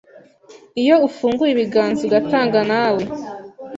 iyo ufunguye ibiganza ugatanga nawe